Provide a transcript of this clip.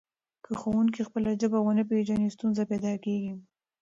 که ښوونکی خپله ژبه ونه پېژني ستونزه پیدا کېږي.